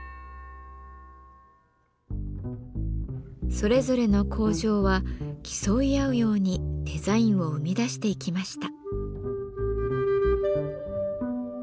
それぞれの工場は競い合うようにデザインを生み出していきました。